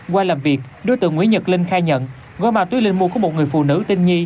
qua làm việc đối tượng nguyễn nhật linh khai nhận gói ma túy linh mua của một người phụ nữ tinh nhi